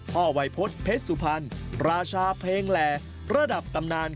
พ่อวัยพฤษเพชรสุพรรณราชาเพลงแหล่ระดับตำนาน